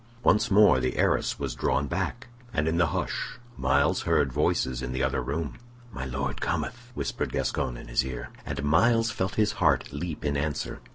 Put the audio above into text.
Once more the arras was drawn back, and in the hush Myles heard voices in the other room. "My Lord cometh," whispered Gascoyne in his ear, and Myles felt his heart leap in answer.